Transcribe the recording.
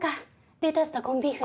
レタスとコンビーフで。